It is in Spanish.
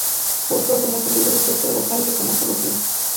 Fue autor de muchos libros de texto de botánica como de zoología.